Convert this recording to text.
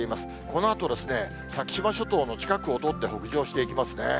このあと、先島諸島の近くを通って北上していきますね。